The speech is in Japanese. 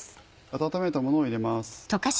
温めたものを入れます。